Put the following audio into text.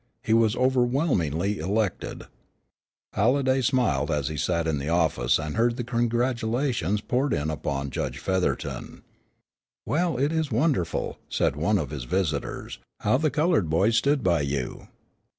He was overwhelmingly elected. Halliday smiled as he sat in the office and heard the congratulations poured in upon Judge Featherton. "Well, it's wonderful," said one of his visitors, "how the colored boys stood by you."